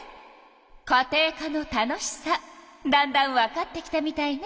家庭科の楽しさだんだんわかってきたみたいね。